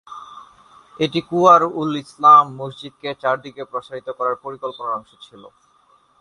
এটি কুয়্যার-উল-ইসলাম মসজিদকে চারদিকে প্রসারিত করার পরিকল্পনার অংশ ছিল।